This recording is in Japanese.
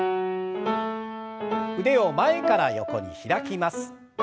腕を前から横に開きます。